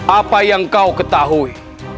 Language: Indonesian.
apa yang kau ketahui